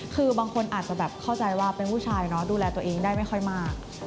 คือบางคนอาจจะแบบเข้าใจว่าเป็นผู้ชายเนาะดูแลตัวเองได้ไม่ค่อยมาก